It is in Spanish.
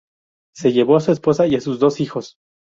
Se llevó a su esposa y a sus dos hijos.